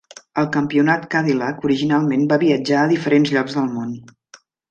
El campionat Cadillac originalment va viatjar a diferents llocs del món.